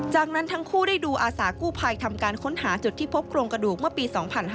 จากนั้นทั้งคู่ได้ดูอาสากู้ภัยทำการค้นหาจุดที่พบโครงกระดูกเมื่อปี๒๕๕๙